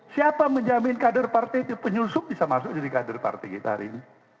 siapa menjamin kader partai itu penyusup bisa masuk jadi kader partai kita hari ini